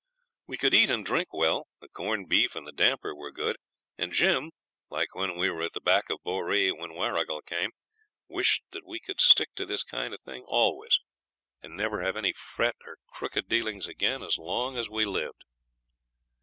We could eat and drink well; the corned beef and the damper were good, and Jim, like when we were at the back of Boree when Warrigal came, wished that we could stick to this kind of thing always, and never have any fret or crooked dealings again as long as we lived.